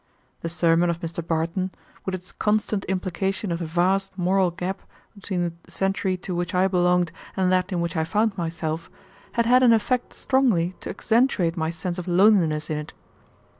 The sermon of Mr. Barton, with its constant implication of the vast moral gap between the century to which I belonged and that in which I found myself, had had an effect strongly to accentuate my sense of loneliness in it.